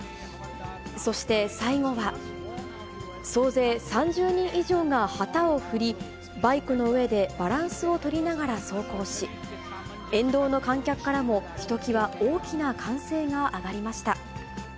そして最後は、総勢３０人以上が旗を振り、バイクの上でバランスを取りながら走行し、沿道の観客からも、ひときわ大きな歓声が上がりました。